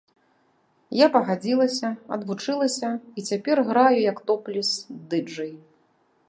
Я пагадзілася, адвучылася, і цяпер граю як топлес-дыджэй.